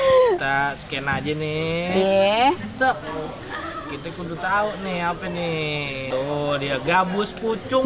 kita scan aja nih kita kudu tau nih apa nih tuh dia gabus pucung